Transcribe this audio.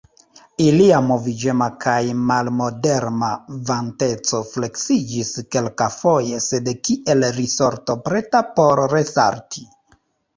Ilia moviĝema kaj malmoderema vanteco fleksiĝis kelkafoje, sed kiel risorto preta por resalti.